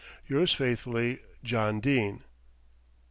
"Yours faithfully, "JOHN DENE."